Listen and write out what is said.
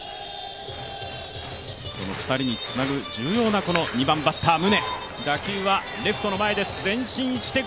その２人につなぐ重要な２番バッター・宗。